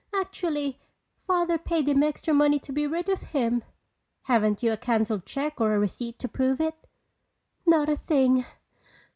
Actually, Father paid him extra money to be rid of him." "Haven't you a cancelled check or a receipt to prove it?" "Not a thing.